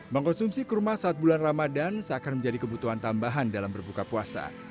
mengkonsumsi kurma saat bulan ramadan seakan menjadi kebutuhan tambahan dalam berbuka puasa